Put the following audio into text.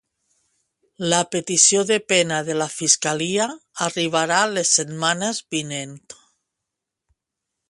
La petició de pena de la fiscalia arribarà les setmanes vinent.